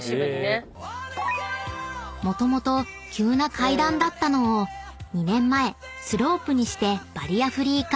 ［もともと急な階段だったのを２年前スロープにしてバリアフリー化］